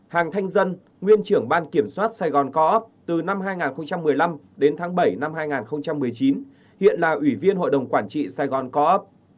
hàng thanh dân nguyên trưởng ban kiểm soát sài gòn co op từ năm hai nghìn một mươi năm đến tháng bảy năm hai nghìn một mươi chín hiện là ủy viên hội đồng quản trị sài gòn co op